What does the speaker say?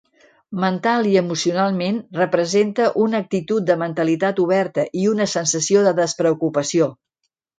Mental i emocionalment, representa una "actitud de mentalitat oberta" i una sensació de despreocupació.